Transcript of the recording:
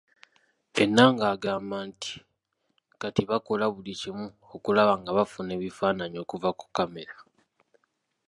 Enanga agamba nti kati bakola buli kimu okulaba nga bafuna ebifaananyi okuva ku kkamera.